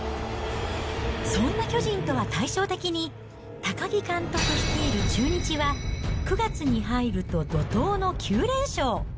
そんな巨人とは対照的に、高木監督率いる中日は９月に入ると怒とうの９連勝。